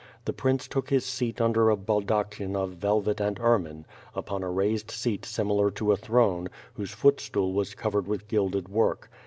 The prince took his seat under a baldachin of velvet and ermine, upon a raised seat similar to a throne, whose footstool was covered with gilded work.